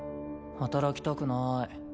働きたくなーい。